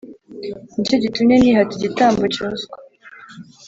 nicyo gitumye nihata igitambo cyoswa